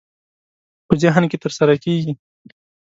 په ذهن کې ترسره کېږي.